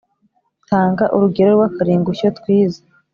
tanga urugero rw'akaringushyo twize